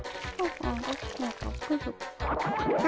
あ？